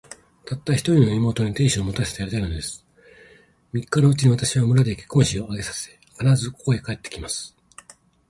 たった一人の妹に、亭主を持たせてやりたいのです。三日のうちに、私は村で結婚式を挙げさせ、必ず、ここへ帰って来ます。